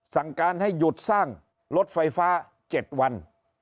สั่งการให้หยุดสร้างรถไฟฟ้า๗วัน